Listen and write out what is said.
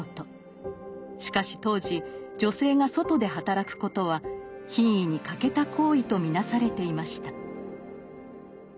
しかし当時女性が外で働くことは品位に欠けた行為と見なされていました。